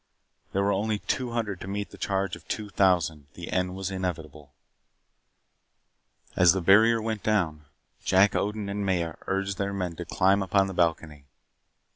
There were only two hundred to meet the charge of two thousand. The end was inevitable. As the barrier went down, Jack Odin and Maya urged their men to climb upon the balcony.